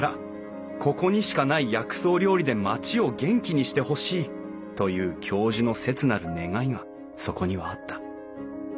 ここにしかない薬草料理で町を元気にしてほしいという教授の切なる願いがそこにはあった。